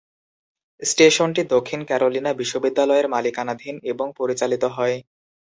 স্টেশনটি দক্ষিণ ক্যারোলিনা বিশ্ববিদ্যালয়ের মালিকানাধীন এবং পরিচালিত হয়।